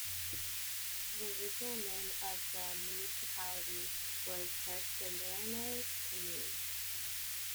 The original name of the municipality was Herstedernes Kommune.